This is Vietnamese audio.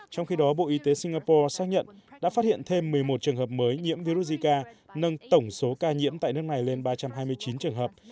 trong khi đó bộ y tế singapore xác nhận đã phát hiện thêm một mươi một trường hợp mới nhiễm virus zika nâng tổng số ca nhiễm tại nước này lên ba trăm hai mươi chín trường hợp